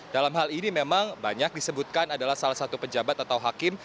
dalam hal ini memang banyak disebutkan adalah salah satu pejabat atau hakim